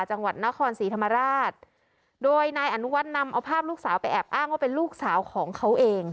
จังหวัดนครศรีธรรมราชโดยนายอนุวัฒน์นำเอาภาพลูกสาวไปแอบอ้างว่าเป็นลูกสาวของเขาเอง